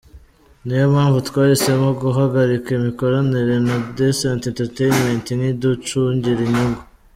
Niyo mpamvu twahisemo guhagarika imikoranire na Decent Entertainment nk’iducungira inyungu.